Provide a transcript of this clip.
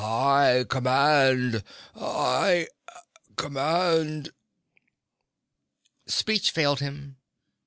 "I command I command." Speech failed him.